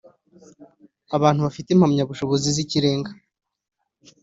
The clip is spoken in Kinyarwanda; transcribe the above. abantu bafite impamyabushobozi z’ikirenga